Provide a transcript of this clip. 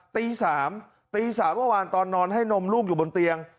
ตี๓วันตอนนอนให้นมลูกอยู่บนเตียง